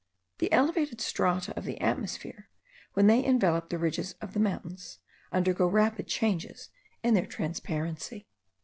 The elevated strata of the atmosphere, when they envelope the ridges of mountains, undergo rapid changes in their transparency.